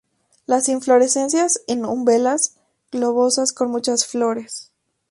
Las inflorescencias en umbelas globosas con muchas flores.